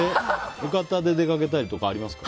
浴衣で出かけたりとかありますか？